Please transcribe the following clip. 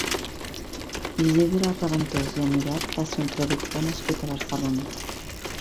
Isidre Reventós i Amiguet va ser un traductor nascut a Barcelona.